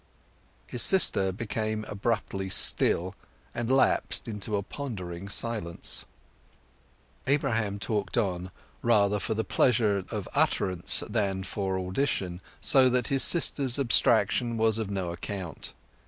His sister became abruptly still, and lapsed into a pondering silence. Abraham talked on, rather for the pleasure of utterance than for audition, so that his sister's abstraction was of no account.